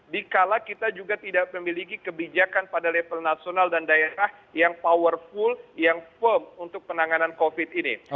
dikala kita juga tidak memiliki kebijakan pada level nasional dan daerah yang powerful yang firm untuk penanganan covid ini